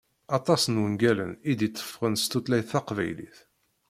Aṭas n wungalen i d-iteffɣen s tutlayt taqbaylit.